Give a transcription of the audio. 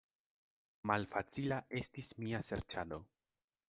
Malfacila estis mia serĉado.